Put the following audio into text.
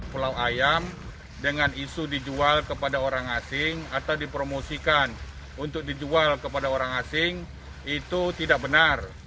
pulau ayam dengan isu dijual kepada orang asing atau dipromosikan untuk dijual kepada orang asing itu tidak benar